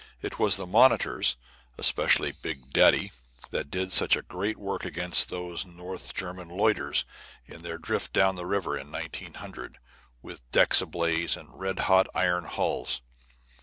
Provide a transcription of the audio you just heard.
It was the monitors, especially "Big Daddy," that did such great work against those North German Lloyders, in their drift down the river, in 1900, with decks ablaze and red hot iron hulls.